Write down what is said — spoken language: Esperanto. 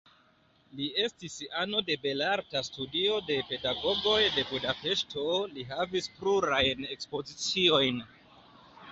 Li estis ano de belarta studio de pedagogoj de Budapeŝto, li havis plurajn ekspoziciojn.